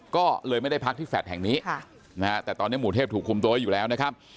ก็เลยไม่ได้พักที่แฟลต์แห่งนี้นะฮะแต่ตอนนี้หมู่เทพถูกคุมตัวไว้อยู่แล้วนะครับ